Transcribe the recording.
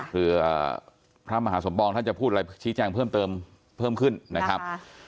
เพื่อพระมหาสมปองท่านจะพูดอะไรชี้แจ้งเพิ่มเติมเพิ่มขึ้นนะครับ